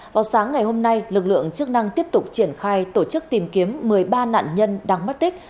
vào sáng ngày hôm nay lực lượng chức năng tiếp tục triển khai tổ chức tìm kiếm một mươi ba nạn nhân đang mất tích